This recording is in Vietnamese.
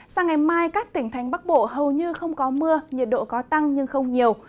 sang ngày mai các tỉnh thành bắc bộ hầu như không có mưa nhiệt độ có tăng nhưng không nhiều